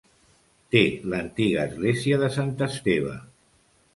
Té l'antiga església de Sant Esteve.